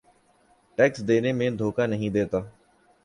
tax دینے میں دھوکہ نہیں دیتا